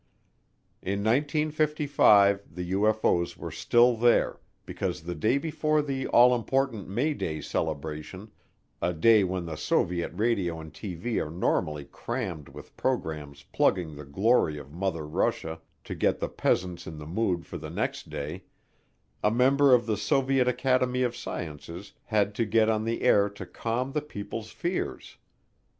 In 1955 the UFO's were still there because the day before the all important May Day celebration, a day when the Soviet radio and TV are normally crammed with programs plugging the glory of Mother Russia to get the peasants in the mood for the next day, a member of the Soviet Academy of Sciences had to get on the air to calm the people's fears.